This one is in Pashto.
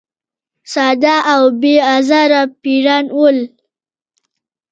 ساده او بې آزاره پیران ول.